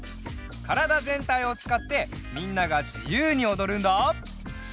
からだぜんたいをつかってみんながじゆうにおどるんだ。